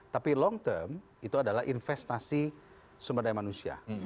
tapi long term itu adalah investasi sumber daya manusia